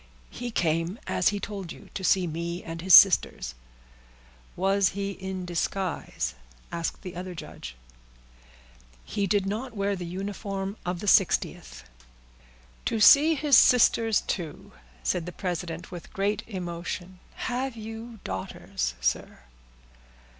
"He came, as he told you, to see me and his sisters." "Was he in disguise?" asked the other judge. "He did not wear the uniform of the 60th." "To see his sisters, too!" said the president with great emotion. "Have you daughters, sir?"